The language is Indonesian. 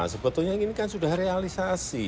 sebetulnya ini kan sudah realisasi